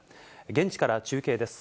現地から中継です。